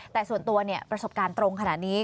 แต่ส่วนตัวประสบการณ์ตรงขนาดนี้